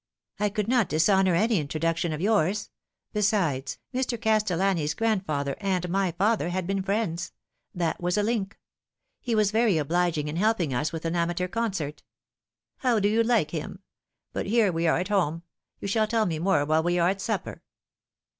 " I could not dishonour any introduction of yours ; besides, Mr. Castellani's grandfather and my father had been friends. That was a link. He was very obliging in helping us with an amateur concert." " How do you like him ? But here we are at home. You shall tell me more while we are at supper."